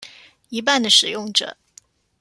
一半的使用者